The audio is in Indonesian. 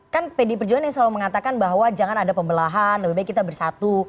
kan pdi perjuangan yang selalu mengatakan bahwa jangan ada pembelahan lebih baik kita bersatu